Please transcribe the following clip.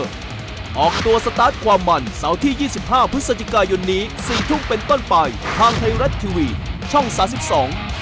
โชเซอัลโดโชลิลาวัชเชฟซัตแดนฮุกเกอร์